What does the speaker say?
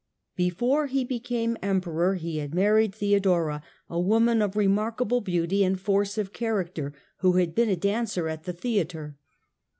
Before he became Emperor he had married Theodora, a woman of remarkable beauty and force of character, who had been a dancer at the theatre.